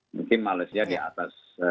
mungkin malaysia di atas